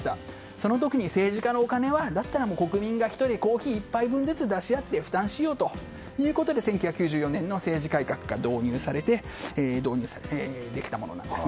その時に政治家のお金はだったら国民が１人コーヒー１杯ずつ出し合って負担しようということで１９９４年の政治改革で導入されてできたものなんです。